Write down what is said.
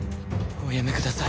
おやめください！